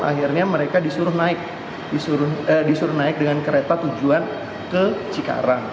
akhirnya mereka disuruh naik disuruh naik dengan kereta tujuan ke cikarang